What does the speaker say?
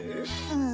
うん。